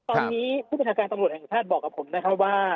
ตอนนี้ผู้ประชาการตำรวจแห่งชาติบอกกับผมนะครับว่า